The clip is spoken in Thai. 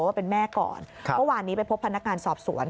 ว่าเป็นแม่ก่อนเมื่อวานนี้ไปพบพนักงานสอบสวน